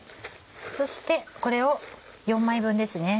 そしてこれを４枚分ですね